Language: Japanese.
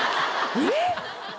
えっ？